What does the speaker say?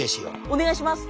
お願いします！